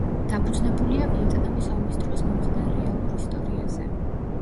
დაფუძნებულია ვიეტნამის ომის დროს მომხდარ რეალურ ისტორიაზე.